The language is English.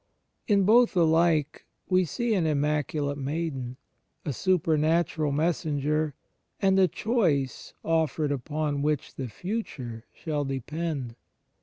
In both alike we see an Immaculate Maiden, a supernatural messenger, and a choice offered upon which the future shall depend.